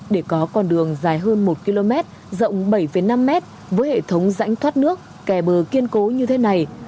để có con đường dài hơn một km rộng bảy năm mét với hệ thống rãnh thoát nước kè bờ kiên cố như thế này